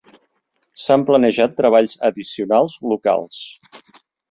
S'han planejat treballs addicionals locals.